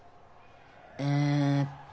えっと。